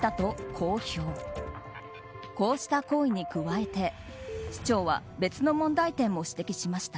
こうした行為に加えて市長は別の問題点も指摘しました。